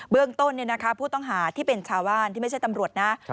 เรื่องต้นผู้ต้องหาที่เป็นชาวบ้านที่ไม่ใช่ตำรวจนะ